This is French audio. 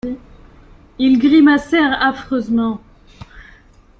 Ils grimacèrent affreusement.